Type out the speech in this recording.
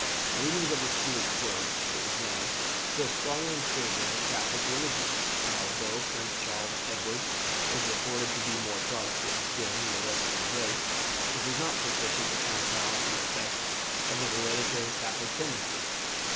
The leanings of the Stuarts were, it was known, still strongly in favour of the Catholic religion, and although Prince Charles Edward was reported to be more Protestant in feelings than the rest of his race, this was not sufficient to counterbalance the effect of the hereditary Catholic tendency.